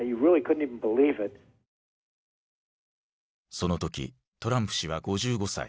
その時トランプ氏は５５歳。